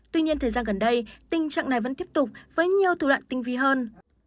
tuy nhiên thời gian gần đây tình trạng này vẫn tiếp tục với nhiều thủ đoạn tinh vi hơn